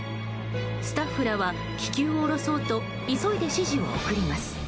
スタッフらは気球を降ろそうと急いで指示を送ります。